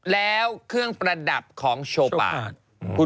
แล้วเครื่องประดับของโชว์ปาก